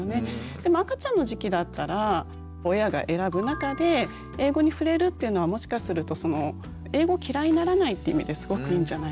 でも赤ちゃんの時期だったら親が選ぶ中で英語に触れるっていうのはもしかするとその英語を嫌いにならないって意味ですごくいいんじゃないかなと。